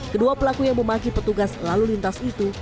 kedua pelaku yang memaki petugas lalu lintas itu